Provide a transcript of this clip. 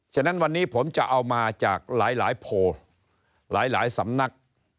ฉะนั้นวันนี้ผมจะเอามาจากหลายโพลหลายสำนัก